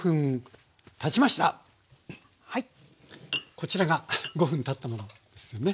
こちらが５分たったものですよね？